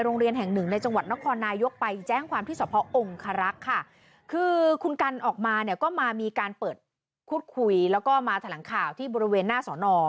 โรงเรียนแห่งหนึ่งในจังหวัดนครนายกไปแจ้งความที่สอบพอองคารักษ์ค่ะคือคุณกันออกมาเนี่ยก็มามีการเปิดคุดคุยแล้วก็มาแถลงข่าวที่บริเวณหน้าสอนอ